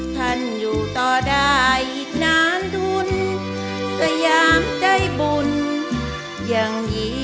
ท่านอยู่ต่อได้อีกนานทุน